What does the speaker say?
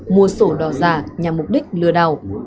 mua sổ đỏ giả nhằm mục đích lừa đảo